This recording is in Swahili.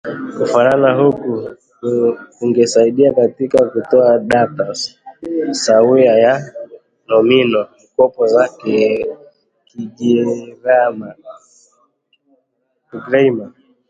Kufanana huku kungesaidia katika kutoa data sawia ya nomino-mkopo za Kigiryama